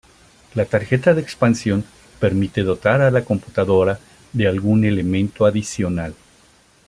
La tarjeta de expansión permite dotar a la computadora de algún elemento adicional.